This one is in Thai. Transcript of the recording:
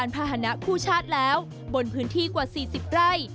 บนพื้นที่กว่า๔๐ขึ้นนะครับ